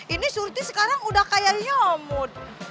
ini surti sekarang udah kaya nyamut